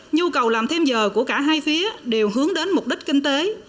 nhu cầu làm thêm giờ của cả hai phía đều hướng đến mục đích kinh tế